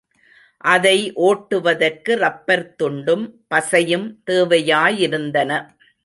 அதை ஓட்டுவதற்கு ரப்பர் துண்டும் பசையும் தேவையாயிருந்தன.